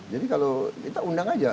jadi kalau kita undang aja